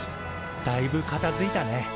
だいぶかたづいたね。